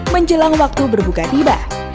menjelang waktu berbuka tiba